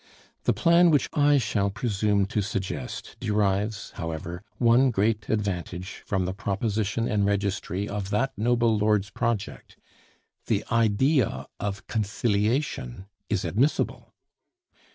The plan which I shall presume to suggest derives, however, one great advantage from the proposition and registry of that noble lord's project. The idea of conciliation is admissible.